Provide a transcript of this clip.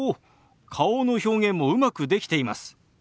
顔の表現もうまくできています。